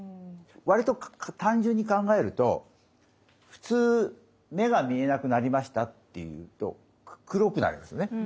割と単純に考えると普通目が見えなくなりましたっていうと黒くなりますよね。